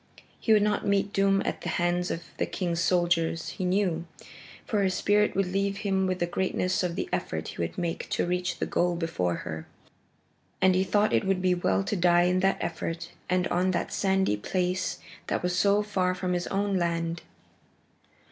He would not meet doom at the hands of the king's soldiers, he knew, for his spirit would leave him with the greatness of the effort he would make to reach the goal before her. And he thought it would be well to die in that effort and on that sandy place that was so far from his own land.